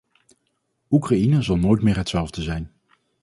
Oekraïne zal nooit meer hetzelfde zijn.